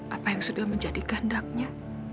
apa yang sudah menjadi kehendaknya